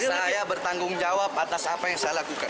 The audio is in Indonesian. saya bertanggungjawab atas apa yang saya lakukan